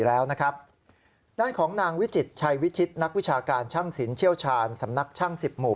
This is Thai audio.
แล้วนะครับด้านของนางวิจิตชัยวิชิตนักวิชาการช่างสินเชี่ยวชาญสำนักช่างสิบหมู่